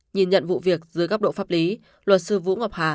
nhìn nhận vụ việc dưới góc độ pháp lý luật sư vũ ngọc hà